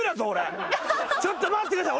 ちょっと待ってください俺。